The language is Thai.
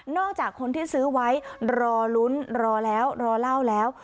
จากคนที่ซื้อไว้รอลุ้นรอแล้วรอเล่าแล้ว